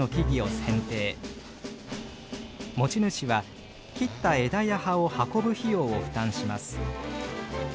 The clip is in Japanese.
持ち主は切った枝や葉を運ぶ費用を負担します。